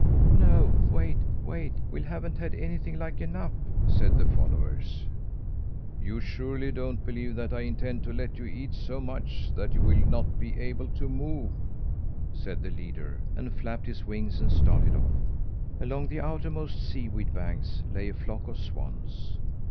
"No, wait, wait! We haven't had anything like enough," said the followers. "You surely don't believe that I intend to let you eat so much that you will not be able to move?" said the leader, and flapped his wings and started off. Along the outermost sea weed banks lay a flock of swans.